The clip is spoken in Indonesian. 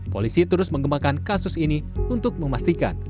polisi terus mengembangkan kasus ini untuk memastikan